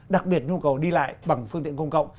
đặc biệt nhu cầu đi lại bằng phương tiện công cộng